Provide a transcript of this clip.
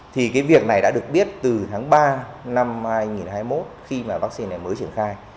thì cái việc này đã được biết từ tháng ba năm hai nghìn hai mươi một khi mà vaccine này mới triển khai